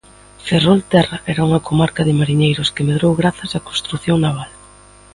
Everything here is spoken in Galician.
Ferrolterra era unha comarca de mariñeiros que medrou grazas á construción naval.